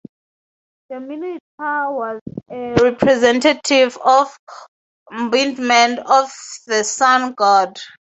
The Minotaur was a representative or embodiment of the sun-god.